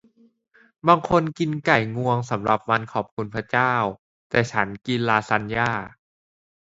บางคนกินไก่งวงสำหรับวันขอบคุณพระเจ้า แต่ฉันกินลาซานญ่า